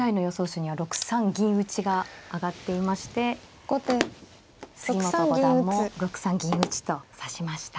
手には６三銀打が挙がっていまして杉本五段も６三銀打と指しました。